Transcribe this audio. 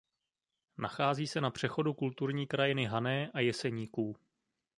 Nachází se na přechodu kulturní krajiny Hané a Jeseníků.